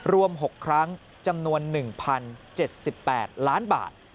รวม๖ครั้งจำนวน๑๐๗๘ล้านบาท